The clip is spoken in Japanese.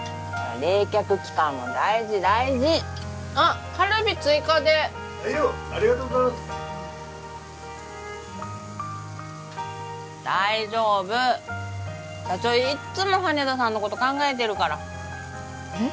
冷却期間も大事大事あっカルビ追加で・はいよありがとうございます大丈夫社長いっつも羽田さんのこと考えてるからえっ？